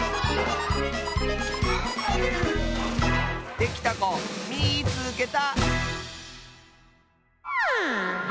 できたこみいつけた！